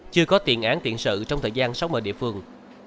chưa có tiền án tiện sự trong thời gian sáu mươi địa phương